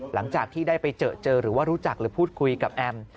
หลังจากที่ได้ไปเจอเจอหรือว่ารู้จักหรือพูดคุยกับแอม